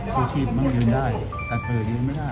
สุชีพมันยืนได้แต่เผลอยืนไม่ได้